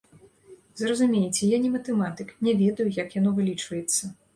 Зразумейце, я не матэматык, не ведаю, як яно вылічваецца.